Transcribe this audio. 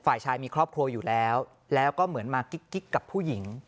ฝ่ายชายมีครอบครัวอยู่แล้วแล้วก็เหมือนมากิ๊กกับผู้หญิง